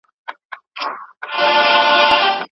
پاڼه اوس د ونې په روح کې غځېدلې ده.